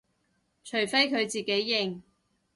除非佢自己認